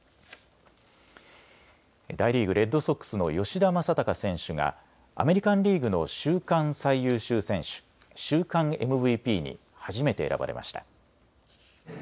大リーグ、レッドソックスの吉田正尚選手がアメリカンリーグの週間最優秀選手、週間ＭＶＰに初めて選ばれました。